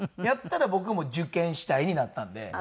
やったら僕も受験したいになったんで。